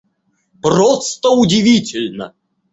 Просто удивительно!